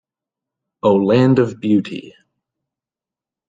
O Land of Beauty!